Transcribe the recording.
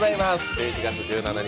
１１月１７日